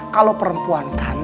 kalau perempuan kan